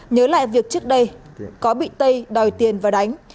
nhớ lại việc trước đây có bị tây đòi tiền và đánh